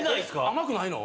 甘くないの？